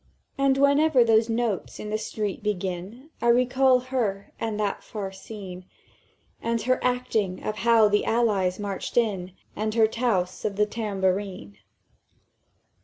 "And whenever those notes in the street begin, I recall her, and that far scene, And her acting of how the Allies marched in, And her touse of the tambourine!"